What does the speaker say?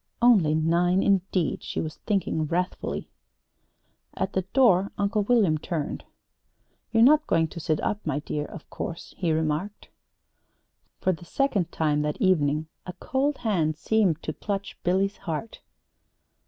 "'Only nine,' indeed!" she was thinking wrathfully. At the door Uncle William turned. "You're not going to sit up, my dear, of course," he remarked. For the second time that evening a cold hand seemed to clutch Billy's heart.